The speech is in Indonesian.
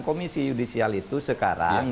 komisi yudisial itu sekarang